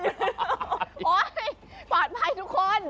โอ๊ยปลอดภัยทุกคน